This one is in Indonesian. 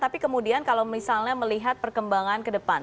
tapi kemudian kalau misalnya melihat perkembangan ke depan